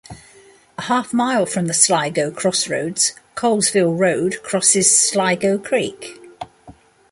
A half mile from the Sligo crossroads Colesville Road crosses Sligo Creek.